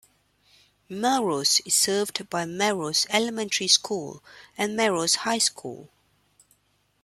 Melrose is served by Melrose Elementary School and Melrose High School.